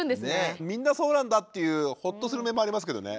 みんなそうなんだっていうホッとする面もありますけどね。